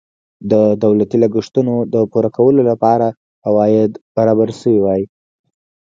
د دولتي لګښتونو د پوره کولو لپاره عواید برابر شوي وای.